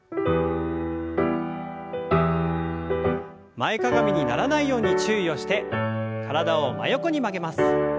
前かがみにならないように注意をして体を真横に曲げます。